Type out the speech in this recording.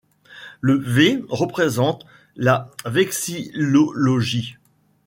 Le V représente la vexillologie.